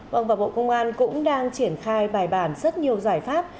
vâng và bộ công an cũng đang triển khai bài bản rất nhiều giải pháp